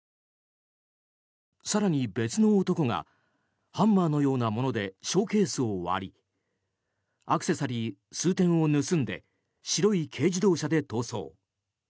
更に、別の男がハンマーのようなものでショーケースを割りアクセサリー数点を盗んで白い軽自動車で逃走。